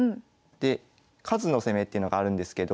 で数の攻めっていうのがあるんですけど。